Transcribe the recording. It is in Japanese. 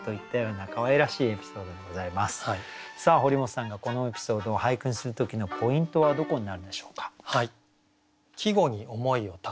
さあ堀本さんがこのエピソードを俳句にする時のポイントはどこになるでしょうか？